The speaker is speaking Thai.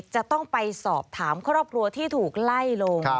จะต้องไปสอบถามครอบครัวที่ถูกไล่ลง